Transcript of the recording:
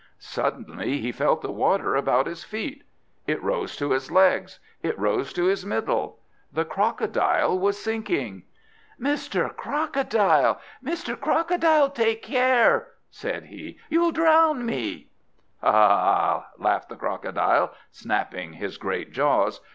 Suddenly he felt the water about his feet! It rose to his legs, it rose to his middle. The Crocodile was sinking! "Mr. Crocodile! Mr. Crocodile! take care!" said he. "You'll drown me!" "Ha, ha, ha!" laughed the Crocodile, snapping his great jaws.